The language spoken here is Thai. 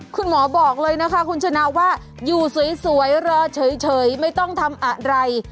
คุณหมอบอกเลยนะคะคุณชนะว่าอยู่สวยรอเฉยไม่ต้องทำอะไร